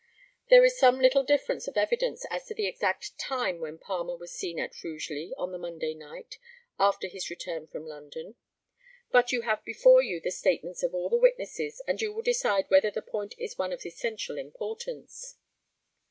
There is some little difference of evidence as to the exact time when Palmer was seen at Rugeley on the Monday night, after his return from London; but you have before you the statements of all the witnesses, and you will decide whether the point is one of essential importance.